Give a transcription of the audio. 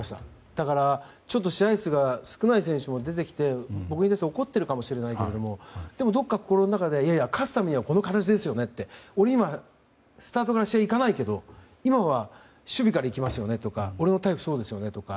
だから、ちょっと試合数が少ない選手も出てきて僕に対して怒っているかもしれないけれどもでも、どこから心の中でいやいや勝つためにはこの形ですよねって俺、今スタートからは行かないけど今は守備からいきますよねとか俺のタイプはそうですよねとか。